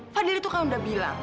fadil itu kan udah bilang